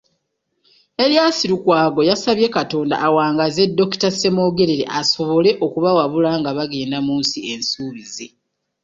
Erias Lukwago yasabye Katonda awangaaze Dokita Ssemwogerere asobole okubawabula nga bagenda mu nsi ensuubize.